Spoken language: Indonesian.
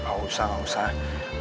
wah udah langsung